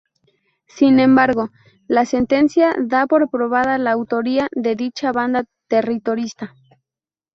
Sin embargo, la Sentencia da por probada la autoría de dicha banda terrorista.